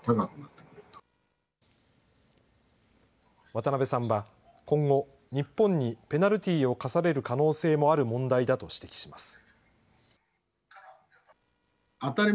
渡辺さんは今後、日本にペナルティーを科される可能性もある問題だと指摘します。